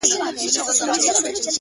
د ژوند دوهم جنم دې حد ته رسولی يمه!